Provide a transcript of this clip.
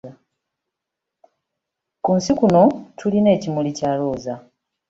Ku nsi kuno tulina ekimuli kya Looza